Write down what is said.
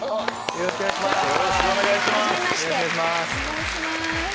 よろしくお願いします。